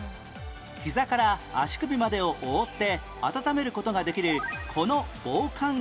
ひざから足首までを覆って温める事ができるこの防寒具の名前は？